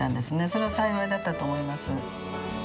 それは幸いだったと思います。